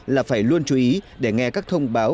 là phải luôn chú ý để nghe các thông báo